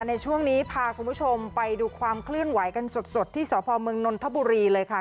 ในช่วงนี้พาคุณผู้ชมไปดูความเคลื่อนไหวกันสดที่สพมนนทบุรีเลยค่ะ